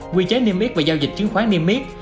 quy chế niêm yết và giao dịch chứng khoán niêm yết